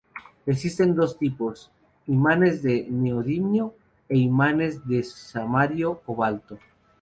Existen dos tipos: imanes de neodimio e imanes de samario-cobalto.